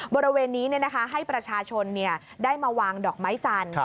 บริเวณนี้ให้ประชาชนได้มาวางดอกไม้จันทร์